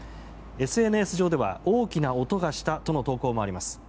ＳＮＳ上では大きな音がしたとの投稿もあります。